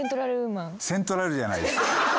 「セントラル」じゃないです。